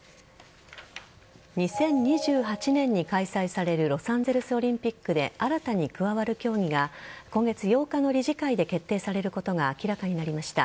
２０２８年に開催されるロサンゼルスオリンピックで新たに加わる競技が今月８日の理事会で決定されることが明らかになりました。